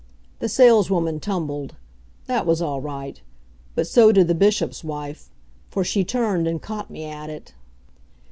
The saleswoman tumbled. That was all right. But so did the Bishop's wife; for she turned and caught me at it.